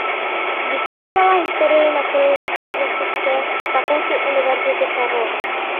Vystudovala historii na Filozofické fakultě Univerzity Karlovy.